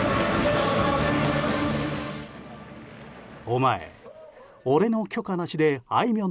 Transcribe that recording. お前、俺の許可なしであいみょ